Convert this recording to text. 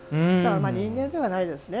人間ではないですね。